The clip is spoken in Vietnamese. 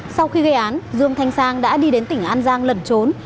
sau khi gây án dương thanh sang đã đi đến tỉnh an giang lẩn trốn